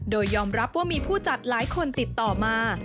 โดยยอมรับว่ามีผู้จัดหลายคนติดต่อมา